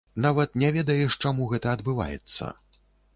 Нават не ведаеш, чаму гэта адбываецца.